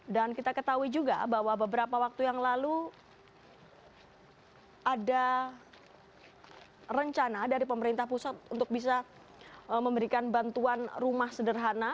dan kita ketahui juga bahwa beberapa waktu yang lalu ada rencana dari pemerintah pusat untuk bisa memberikan bantuan rumah sederhana